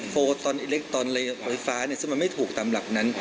ตอนเล็กตอนไฟฟ้าซึ่งมันไม่ถูกตามหลักนั้น